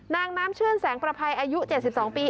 นางน้ำชื่นแสงประภัยอายุ๗๒ปี